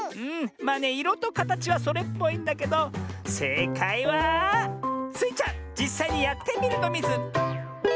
まあねいろとかたちはそれっぽいんだけどせいかいはスイちゃんじっさいにやってみるのミズ！